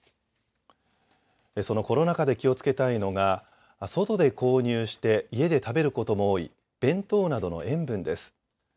そのコロナ禍で気をつけたいのが外で購入して家で食べることも多い弁当などの塩分です。